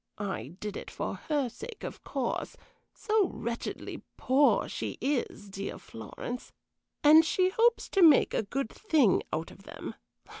I did it for her sake, of course, so wretchedly poor she is, dear Florence, and she hopes to make a good thing out of them.